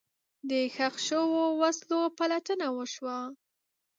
د ښخ شوو وسلو پلټنه وشوه.